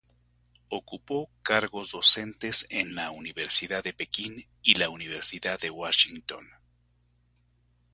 Ocupó cargos docentes en la Universidad de Pekín y la Universidad de Washington.